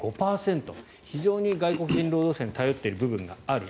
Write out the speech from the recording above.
非常に外国人労働者に頼っている部分がある。